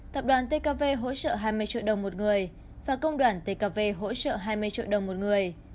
tập đoàn tkv hỗ trợ hai mươi triệu đồng một người và công đoàn tkv hỗ trợ hai mươi triệu đồng một người